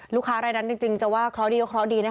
ลูกค้ารายรัฐจริงจริงจะว่าเคราะห์ดีก็เคราะห์ดีนะคะ